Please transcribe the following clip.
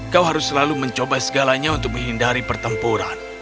kau harus selalu mencoba segalanya untuk menghindari pertempuran